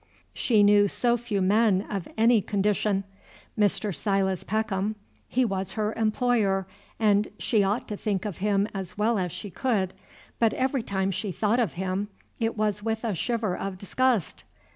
She knew so few men of any condition! Mr. Silas Peckham: he was her employer, and she ought to think of him as well as she could; but every time she thought of him it was with a shiver of disgust.